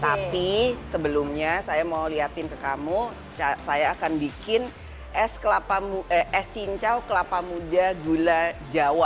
tapi sebelumnya saya mau liatin ke kamu saya akan bikin es cincau kelapa muda gula jawa